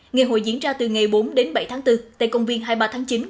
ngày hội diễn ra từ ngày bốn đến bảy tháng bốn tại công viên hai mươi ba tháng chín quận một tp hcm